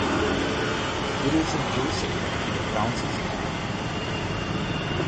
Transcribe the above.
It is adjacent to the Fraunces Tavern.